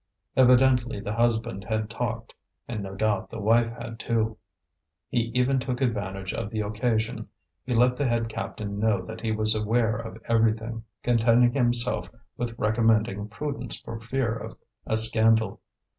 Evidently the husband had talked, and no doubt the wife had, too. He even took advantage of the occasion; he let the head captain know that he was aware of everything, contenting himself with recommending prudence for fear of a scandal.